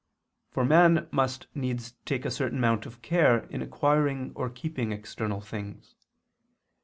For man must needs take a certain amount of care in acquiring or keeping external things.